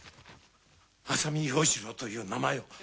浅見陽一郎という名前を。